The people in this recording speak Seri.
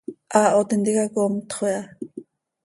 Haaho tintica comtxö iha.